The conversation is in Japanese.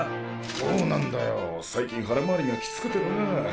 そうなんだよ最近腹まわりがきつくてな。